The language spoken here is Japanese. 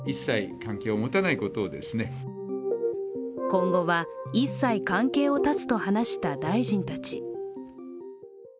今後は一切関係を断つと話した大臣たち。